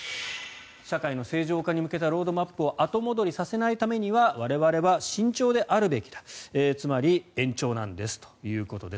社会の正常化に向けたロードマップを後戻りさせないためには我々は慎重であるべきだつまり延長なんだということです。